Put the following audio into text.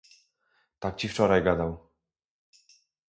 "Tak ci wczoraj gadał."